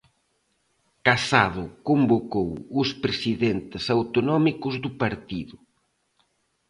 Casado convocou os presidentes autonómicos do partido.